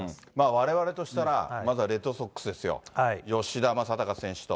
われわれとしたら、まずはレッドソックスですよ、吉田正尚選手と。